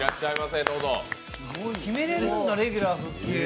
決めれるんだレギュラー復帰。